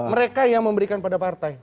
mereka yang memberikan pada partai